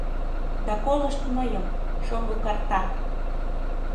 Да колышт мыйым, шоҥго карта!